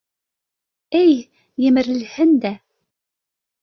Эй, емерелһен дә!